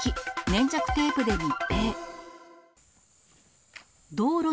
粘着テープで密閉。